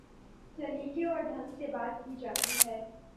سلیقے اور ڈھنگ سے بات کی جاتی ہے۔